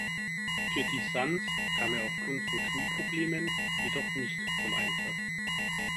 Für die Suns kam er aufgrund von Knieproblemen jedoch nicht zum Einsatz.